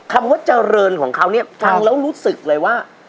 คำว่าเจริญของเขาเนี่ยฟังแล้วรู้สึกเลยว่า